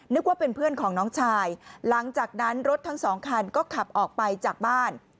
นึกว่าเป็นเพื่อนของน้องชายหลังจากนั้นรถทั้งสองคันก็ขับออกไปจากบ้าน